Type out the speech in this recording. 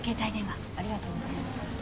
ありがとうございます。